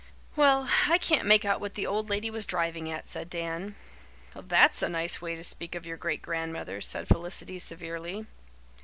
"Well, I can't make out what the old lady was driving at," said Dan. "That's a nice way to speak of your great grandmother," said Felicity severely.